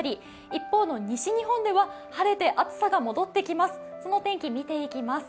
一方の西日本では晴れて暑さが戻ってきます。